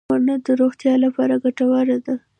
• ونه د روغتیا لپاره ګټوره ده.